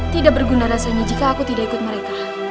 tidak berguna rasanya jika aku tidak ikut mereka